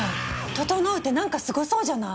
「ととのう」ってなんかスゴそうじゃない！